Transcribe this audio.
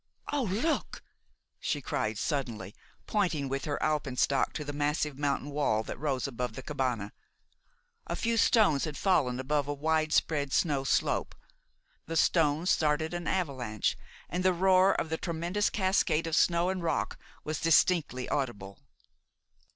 "Oh, look!" she cried suddenly, pointing with her alpenstock to the massive mountain wall that rose above the cabane. A few stones had fallen above a widespread snow slope. The stones started an avalanche, and the roar of the tremendous cascade of snow and rock was distinctly audible.